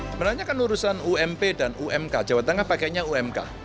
sebenarnya kan urusan ump dan umk jawa tengah pakainya umk